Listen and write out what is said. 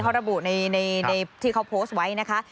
เขาระบุในที่เขาโพสต์ไว้นะคะ